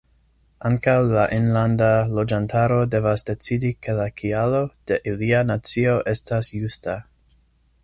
Ankaŭ la enlanda loĝantaro devas decidi ke la kialo de ilia nacio estas justa.